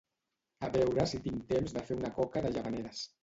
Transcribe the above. A veure si tinc temps de fer una coca de Llavaneres